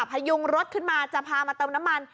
พยุงรถขึ้นมาจะพามาเติมน้ำมัน